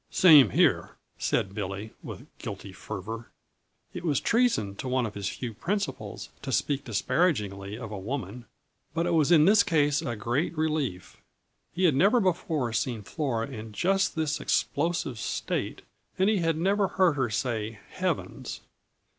"Same here," said Billy, with guilty fervor. It was treason to one of his few principles to speak disparagingly of a woman, but it was in this case a great relief. He had never before seen Flora in just this explosive state, and he had never heard her say "Heavens!"